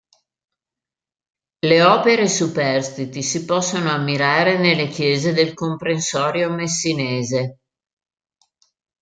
Le opere superstiti si possono ammirare nelle chiese del comprensorio messinese.